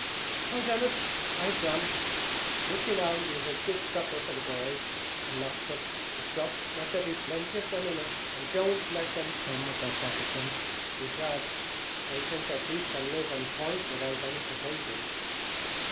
"Well, Denis, I've done. But, look ye now you've a good supper for the boys, and lots of the stuff, I'll go bail. Let there be plenty of them in it, and don't let them come with their pockets empty. By dad, they think their priest can live on the point without the potatoes."